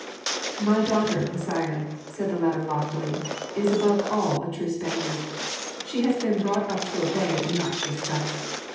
"My daughter, Messire," said the latter loftily, "is above all a true Spaniard. She has been brought up to obey and not to discuss.